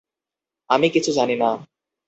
আমি কিছু জানি না।